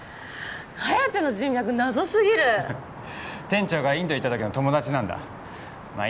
颯の人脈謎すぎる店長がインド行った時の友達なんだまあ